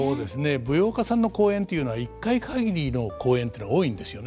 舞踊家さんの公演というのは一回限りの公演というのが多いんですよね。